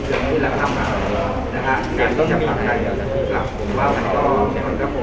เป็นพาวะจำยองที่ยังไง